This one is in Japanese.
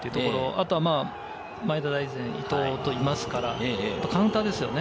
あとは前田大然、伊東といますから、カウンターですよね。